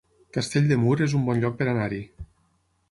Castell de Mur es un bon lloc per anar-hi